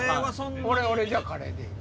俺じゃあカレーでいい。